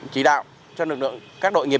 chỉ đạo cho lực lượng các đội nghiệp